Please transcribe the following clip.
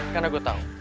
karena gue tau